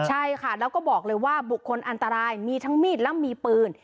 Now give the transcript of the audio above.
ใช่ค่ะแล้วก็บอกเลยว่าบุคคลอันตรายมีทั้งมีดและมีปืน